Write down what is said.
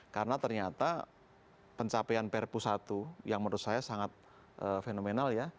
karena ternyata pencapaian prpu satu yang menurut saya sangat fenomenal ya